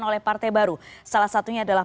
oleh partai baru salah satunya adalah